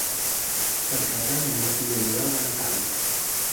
Per Cap d'Any en Martí i en Joel van a Càlig.